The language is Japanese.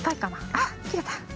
あっきれた。